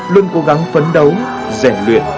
luôn cố gắng phấn đấu rẻ luyện